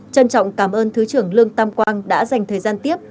trân trọng cảm ơn thứ trưởng lương tam quang đã dành thời gian tiếp